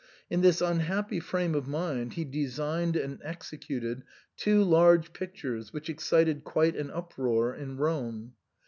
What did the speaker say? In this unhappy frame of mind he designed and executed two large pictures which excited quite an uproar in Rome.